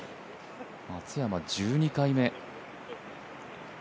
松山、１２回目。